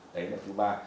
đấy là thứ ba